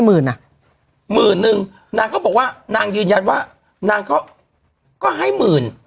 หมื่นอ่ะหมื่นนึงนางก็บอกว่านางยืนยันว่านางเขาก็ให้หมื่น